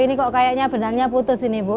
ini kok kayaknya benangnya putus ini bu